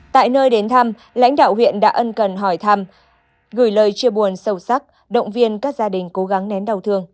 tại nơi đến thăm lãnh đạo huyện đã ân cần hỏi thăm gửi lời chia buồn sâu sắc động viên các gia đình cố gắng nén đau thương